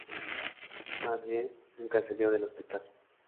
Mamie nunca salió del hospital.